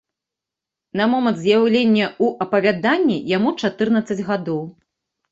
На момант з'яўлення ў апавяданні яму чатырнаццаць гадоў.